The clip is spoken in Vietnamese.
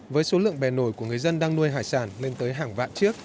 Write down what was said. với số lượng bè nổi của người dân đang nuôi hải sản lên tới hàng vạn chiếc